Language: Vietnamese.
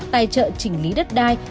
tài trợ chỉnh lý đất đai